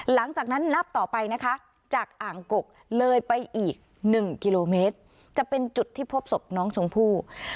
หลังจากนั้นนับต่อไปนะคะจากอ่างกกเลยไปอีก๑กิโลเมตรจะเป็นจุดที่พบศพน้องชมพู่